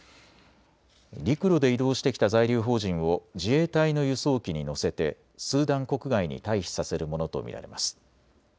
陸路で移動してきた在留邦人を自衛隊の輸送機に乗せてスーダン国外に退避させるものと見られます。